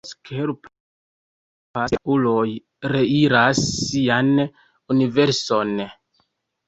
Spock helpas ke la uloj reiras sian universon.